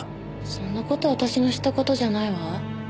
そんな事私の知った事じゃないわ。